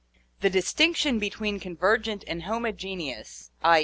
The distinction between convergent and homogeneous (i.